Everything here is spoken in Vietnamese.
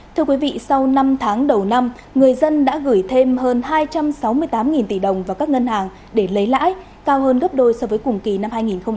thưa quý vị sau năm tháng đầu năm người dân đã gửi thêm hơn hai trăm sáu mươi tám tỷ đồng vào các ngân hàng để lấy lãi cao hơn gấp đôi so với cùng kỳ năm hai nghìn một mươi chín